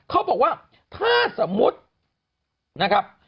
เขาบอกว่าถ้าสมมุตินะครับ